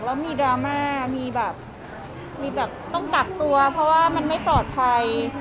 แล้วมีดราม่ามีแบบมีแบบต้องกักตัวเพราะว่ามันไม่ปลอดภัย